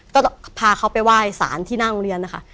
ก็พาเขาไปไหว้สารที่หน้าโรงเรียนนะคะ